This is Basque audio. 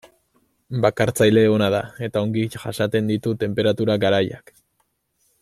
Bakartzaile ona da eta ongi jasaten ditu tenperatura garaiak.